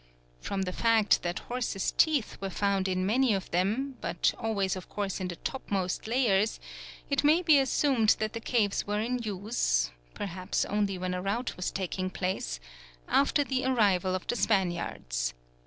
From the fact that horses' teeth were found in many of them, but always of course in the topmost layers, it may be assumed that the caves were in use (perhaps only when a rout was taking place) after the arrival of the Spaniards.